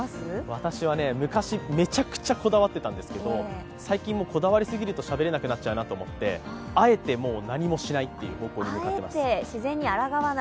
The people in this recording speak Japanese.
私は昔、めちゃくちゃこだわっていたんですけど、最近、こだわりすぎるとしゃべれなくなっちゃうと思って、あえて、もう何もしないという方向に向かっています。